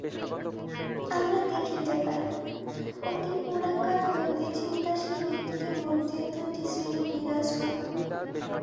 আমরা দেখিতে পাই, অতি পুরাকাল হইতে চিন্তাশীল ব্যক্তিদের মধ্যে দুইটি শ্রেণী বিরাজমান।